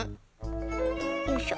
よいしょ。